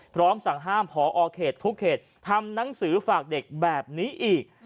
พร้อมสั่งห้ามพอเขตทุกเขตทำหนังสือฝากเด็กแบบนี้อีก